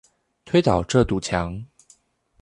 推倒這堵牆！